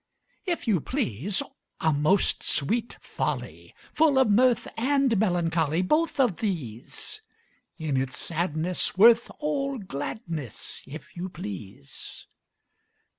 If you please, A most sweet folly! Full of mirth and melancholy: Both of these! In its sadness worth all gladness, If you please!